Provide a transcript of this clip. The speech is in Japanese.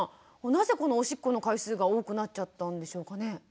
なぜこのおしっこの回数が多くなっちゃったんでしょうかね？